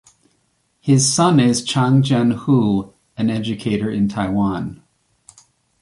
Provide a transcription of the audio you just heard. His son is Chang Jen-Hu, an educator in Taiwan.